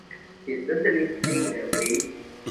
It certainly seems that way.